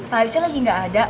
pak harisnya lagi gak ada